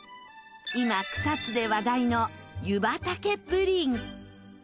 今草津で話題の湯畑プリン。